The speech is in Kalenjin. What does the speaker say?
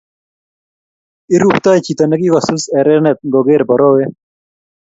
iruptoi chito nekikosus erenet ngogeer borowe